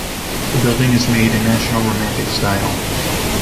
The building is made in national romantic style.